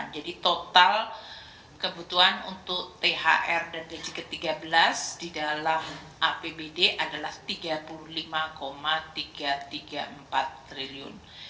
jadi total kebutuhan untuk thr dan gaji ke tiga belas di dalam apbd adalah tiga puluh lima tiga ratus tiga puluh empat triliun